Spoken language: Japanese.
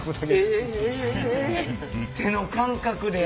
手の感覚で。